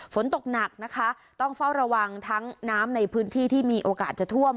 ฝนตกหนักนะคะต้องเฝ้าระวังทั้งน้ำในพื้นที่ที่มีโอกาสจะท่วม